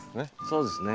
そうですね。